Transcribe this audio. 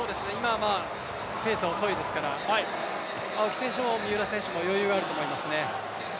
今ペースは遅いですから、青木選手も三浦選手も余裕があると思いますね。